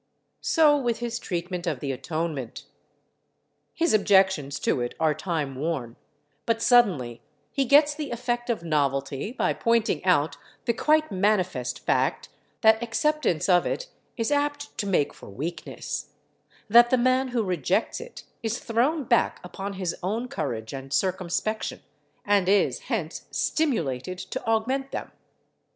So with his treatment of the Atonement. His objections to it are time worn, but suddenly he gets the effect of novelty by pointing out the quite manifest fact that acceptance of it is apt to make for weakness, that the man who rejects it is thrown back upon his own courage and circumspection, and is hence stimulated to augment them.